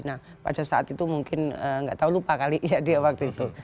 nah pada saat itu mungkin nggak tahu lupa kali ya dia waktu itu